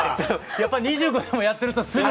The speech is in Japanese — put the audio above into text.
やっぱり２５年もやってるとすぐ。